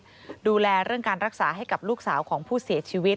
พระาคบริกัณฑ์ที่ยังรักษาให้กับลูกซาของผู้เสียชีวิต